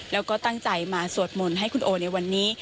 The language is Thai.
แล้วก็ตั้งใจมาสวดมนต์ให้คุณโอในวันนี้